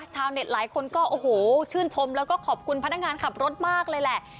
หลายคนก็โอ้โหชื่นชมแล้วก็ขอบคุณพนักงานขับรถมากเลยแหละ